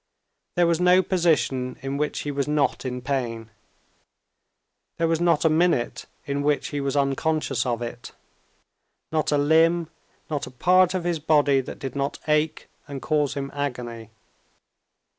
There was no position in which he was not in pain, there was not a minute in which he was unconscious of it, not a limb, not a part of his body that did not ache and cause him agony.